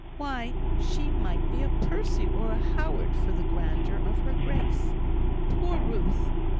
Why, she might be a Percy or a Howard for the grandeur of her grace! Poor Ruth!